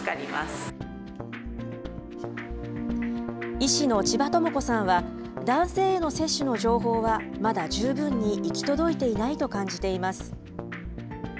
医師の千葉智子さんは、男性への接種の情報は、まだ十分に行き届いていないと感じています。